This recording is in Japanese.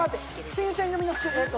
新選組のえっと。